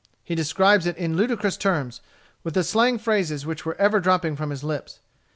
He describes it in ludicrous terms, with the slang phrases which were ever dropping from his lips.